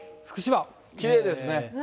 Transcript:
福島、きれいですね。